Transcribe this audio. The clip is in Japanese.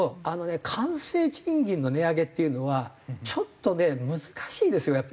あのね官製賃金の値上げっていうのはちょっとね難しいですよ